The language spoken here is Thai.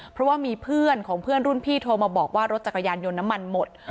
เพราะว่ามีเพื่อนของเพื่อนรุ่นพี่โทรมาบอกว่ารถจักรยานยนต์น้ำมันหมด